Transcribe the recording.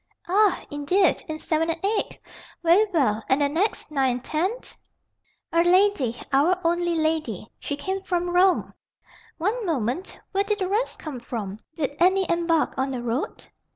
"Ah, indeed, in 7 and 8? Very well. And the next, 9 and 10?" "A lady. Our only lady. She came from Rome." "One moment. Where did the rest come from? Did any embark on the road?"